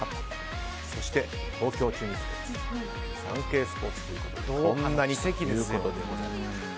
そして、東京中日スポーツサンケイスポーツということでこんなにということでございます。